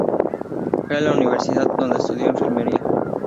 Fue a la universidad, donde estudió Enfermería.